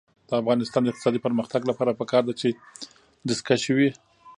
د افغانستان د اقتصادي پرمختګ لپاره پکار ده چې دستکشې وي.